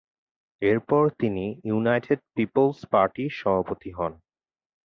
এর পর তিনি ইউনাইটেড পিপলস পার্টির সভাপতি হন।